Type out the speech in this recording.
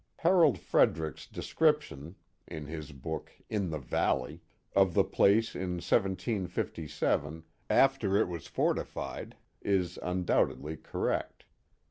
Harold Frederic's description (in his book /// the Valley) of the place in 1757, after it was for tified, is undoubtedly correct.